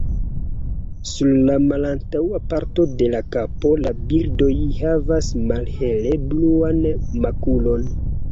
Sur la malantaŭa parto de la kapo la birdoj havas malhele bluan makulon.